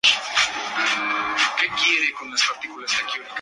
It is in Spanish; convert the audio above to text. Las hembras depositan los huevos en vegetales acuáticos o detritos del fondo.